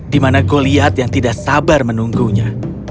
di mana goliat yang tidak sabar menunggunya